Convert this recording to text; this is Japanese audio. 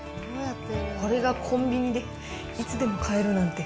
これがコンビニでいつでも買えるなんて。